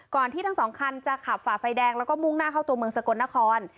ที่ทั้งสองคันจะขับฝ่าไฟแดงแล้วก็มุ่งหน้าเข้าตัวเมืองสกลนคร